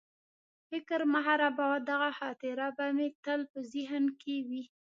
فکر مه خرابوه، دغه خاطره به مې تل په ذهن کې وي.